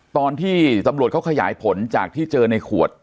ตอนที่ตำรวจเขาขยายผลจากที่เจอในขวด